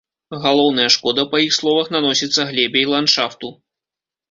Галоўная шкода, па іх словах, наносіцца глебе і ландшафту.